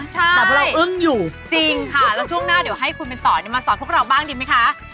ใช่จริงค่ะแล้วช่วงหน้าเดี๋ยวให้คุณเบนต่อนี่มาสอนพวกเราบ้างดีไหมคะ